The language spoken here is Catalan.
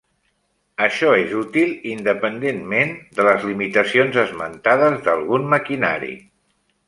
Això és útil independentment de les limitacions esmentades d'algun maquinari.